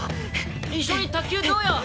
一緒に卓球どうよ？